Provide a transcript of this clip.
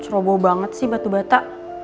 ceroboh banget sih batu bata